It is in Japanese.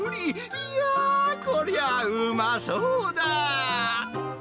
いやー、こりゃうまそうだ。